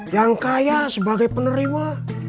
yang kaya sebagai penerima